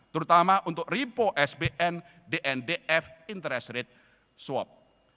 terutama untuk ripo sbn dndf interest rate swab